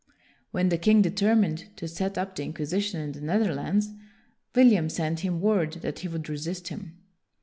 When the king determined to set up the Inquisi tion in the Netherlands, William sent him word that he would resist him.